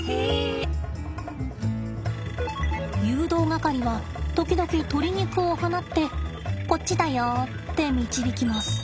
誘導係は時々鶏肉を放ってこっちだよって導きます。